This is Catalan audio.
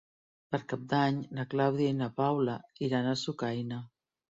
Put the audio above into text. Per Cap d'Any na Clàudia i na Paula iran a Sucaina.